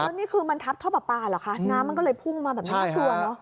แล้วนี่คือมันทับท่อปลาปลาเหรอคะน้ำมันก็เลยพุ่งมาแบบนี้น่ากลัวเนอะ